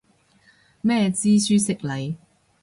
咩知書識禮